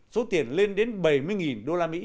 số tiền lên đến bảy mươi usd